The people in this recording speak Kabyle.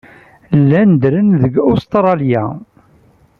Llan ddren deg Ustṛalya.